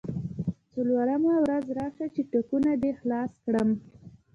څلورمه ورځ راشه چې ټکونه دې خلاص کړم.